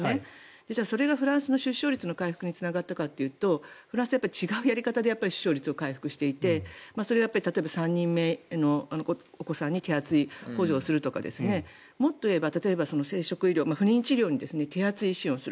じゃあ、それがフランスの出生率の回復につながったかというとフランスは違うやり方で出生率を回復していてそれが例えば３人目のお子さんに手厚い補助をするとかもっと言えば、例えば生殖医療、不妊治療に手厚い支援をする。